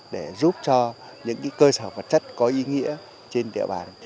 để giúp cho những cơ sở vật chất có ý nghĩa trên địa bàn